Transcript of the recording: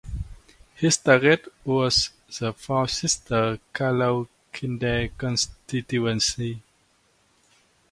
His target was the four-seater Carlow-Kildare constituency.